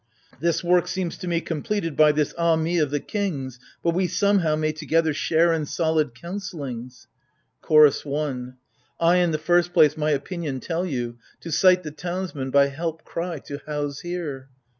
This work seems to me completed by this " Ah me " of the king's ; But we somehow may together share in soHd counseUngs. CHOROS I. I, in the first place, my opinion tell you :— To cite the townsmen, by help cry, to house here.